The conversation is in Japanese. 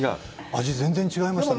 味、全然違いました。